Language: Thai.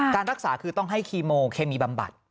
การรักษาคือต้องให้คีโมเคมีบำบัด